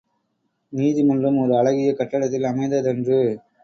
நீதி மன்றம் ஓர் அழகிய கட்டடத்தில் அமைந்த தன்று.